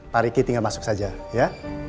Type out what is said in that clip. pak riki tinggal masuk saja ya